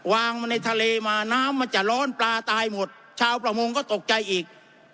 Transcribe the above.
วางมาในทะเลมาน้ำมันจะร้อนปลาตายหมดชาวประมงก็ตกใจอีก